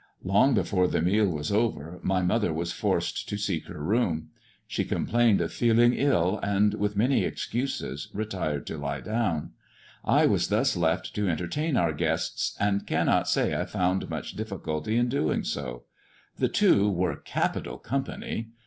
Long before the meal was over my mother was forced to seek her room. She complained of feeling ill, and, with many excuses, retired to lie down. I was thus left to en tertain our guests, and cannot say I found much difficulty 378 MY COUSIN FROM FRANCE in doing so. The two were capital company.